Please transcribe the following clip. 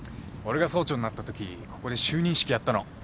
俺が総長になったときここで就任式やったの。